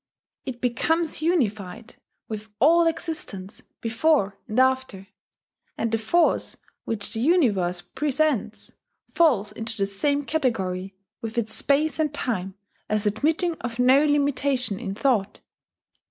It becomes unified with all existence before and after; and the Force which the Universe presents falls into the same category with its Space and Time as admitting of no limitation in thought."